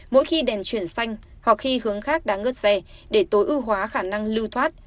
mỗi khi đèn chuyển xanh hoặc khi hướng khác đã ngớt xe để tối ưu hóa khả năng lưu thoát